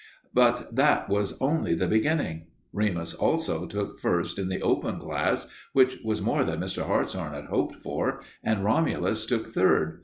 But that was only the beginning. Remus also took first in the open class, which was more than Mr. Hartshorn had hoped for, and Romulus took third.